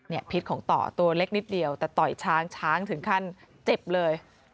พิษของต่อตัวเล็กนิดเดียวแต่ต่อยช้างช้างถึงขั้นเจ็บเลย